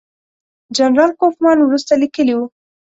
جنرال کوفمان وروسته لیکلي وو.